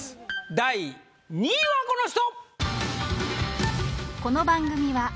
第２位はこの人！